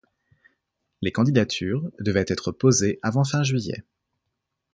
Les candidatures devaient être posées avant fin juillet.